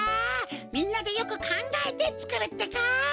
みんなでよくかんがえてつくるってか！